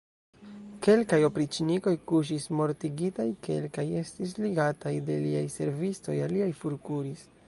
Kelkaj opriĉnikoj kuŝis mortigitaj, kelkaj estis ligataj de liaj servistoj, aliaj forkuris.